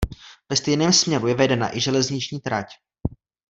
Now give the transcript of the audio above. Ve stejném směru je vedena i železniční trať.